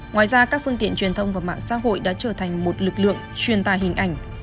ngoài ra các phương tiện truyền thông và mạng xã hội đã trở thành một lực lượng truyền tài hình ảnh